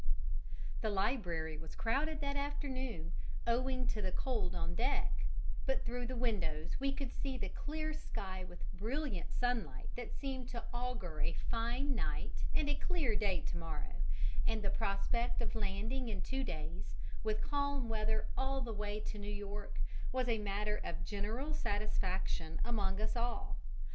The library was crowded that afternoon, owing to the cold on deck: but through the windows we could see the clear sky with brilliant sunlight that seemed to augur a fine night and a clear day to morrow, and the prospect of landing in two days, with calm weather all the way to New York, was a matter of general satisfaction among us all.